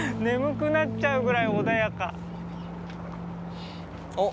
眠くなっちゃうぐらい穏やか。